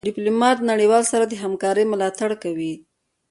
ډيپلومات د نړېوالو سره د همکارۍ ملاتړ کوي.